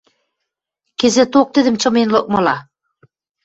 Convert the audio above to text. Кӹзӹток тӹдӹм чымен лыкмыла!..